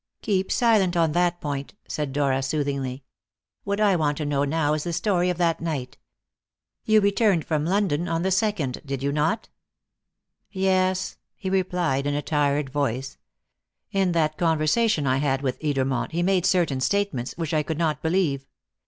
"Keep silent on that point," said Dora soothingly. "What I want to know now is the story of that night. You returned from London on the second, did you not?" "Yes," he replied in a tired voice. "In that conversation I had with Edermont he made certain statements which I could not believe.